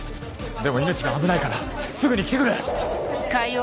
でも命が危ないからすぐに来てくれ！